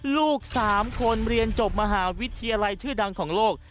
ลูก๓คนเรียนจบมหาวิทยาลัยชื่อดังของโลก